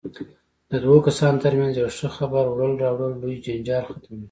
د دوو کسانو ترمنځ یو ښه خبر وړل راوړل لوی جنجال ختموي.